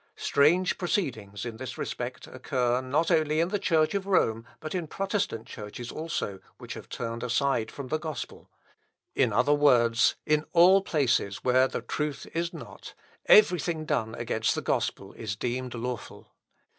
Strange proceedings, in this respect, occur, not only in the Church of Rome, but in Protestant churches also, which have turned aside from the gospel; in other words, in all places where the truth is not, every thing done against the gospel is deemed lawful.